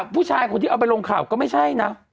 ผู้ชายคนที่เอาไปลงข่าวก็ไม่ใช่นะ